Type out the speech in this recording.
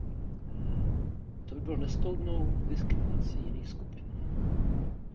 To by bylo nestoudnou diskriminací jiných skupin.